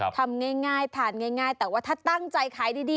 ทำง่ายทานง่ายแต่ว่าถ้าตั้งใจขายดี